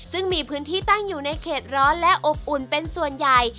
ซึ่งมีพื้นที่ตั้งอยู่ในเขตร้อนและอบอุ่นเป็นส่วนใหญ่